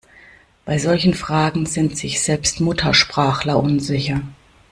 Bei solchen Fragen sind sich selbst Muttersprachler unsicher.